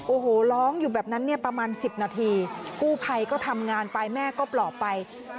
โอ้โหร้องอยู่แบบนั้นเนี่ยประมาณ๑๐นาทีกู้ภัยก็ทำงานไปแม่ก็ปลอบไป